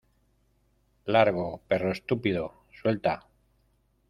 ¡ Largo, perro estúpido! ¡ suelta !